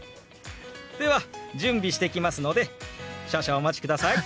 では準備してきますので少々お待ちください。